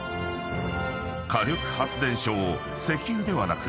［火力発電所を］